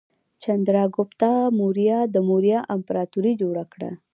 چندراګوپتا موریا د موریا امپراتورۍ جوړه کړه.